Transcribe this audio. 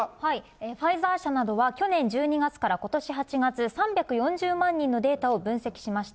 ファイザー社などは、去年１２月からことし８月、３４０万人のデータを分析しました。